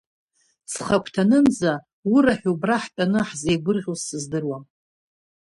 Ҵхагәҭанынӡа ура ҳәа убра ҳтәаны ҳзеигәырӷьоз сыздыруам.